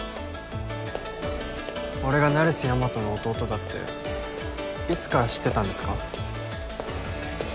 俺が成瀬大和の弟だっていつから知ってたんですか？